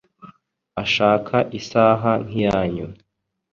Ashaka isaha nkiyanyu.